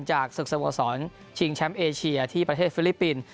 ศึกสโมสรชิงแชมป์เอเชียที่ประเทศฟิลิปปินส์